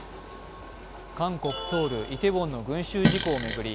韓国ソウル・イテウォンの群集事故を巡り